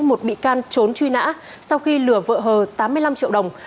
một bị can trốn truy nã sau khi lừa vợ hờ tám mươi năm triệu đồng